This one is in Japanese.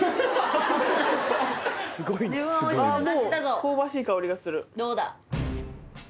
もう香ばしい香りがする。